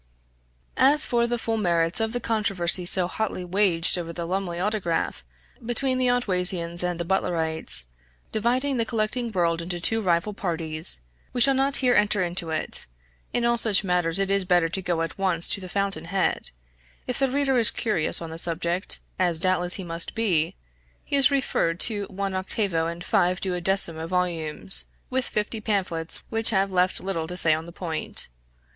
As for the full merits of the controversy so hotly waged over the Lumley autograph between the Otwaysians and the Butlerites, dividing the collecting world into two rival parties, we shall not here enter into it. In all such matters it is better to go at once to the fountain head; if the reader is curious on the subject, as doubtless he must be, he is referred to one octavo and five duodecimo volumes, with fifty pamphlets which have left little to say on the point.